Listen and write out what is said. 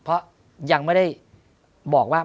เพราะยังไม่ได้บอกว่า